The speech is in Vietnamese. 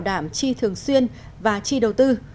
đảm chi thường xuyên và chi đầu tư